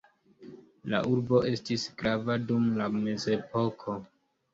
La urbo estis grava dum la Mezepoko.